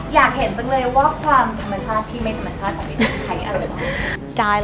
อยากเห็นจังเลยว่าความธรรมชาติที่ไม่ธรรมชาติของพี่ตุ๊กใช้อะไร